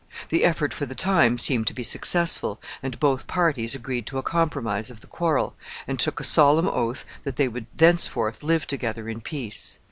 The effort for the time seemed to be successful, and both parties agreed to a compromise of the quarrel, and took a solemn oath that they would thenceforth live together in peace.